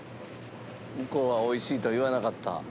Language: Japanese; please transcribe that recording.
向こうは「おいしい」とは言わなかった。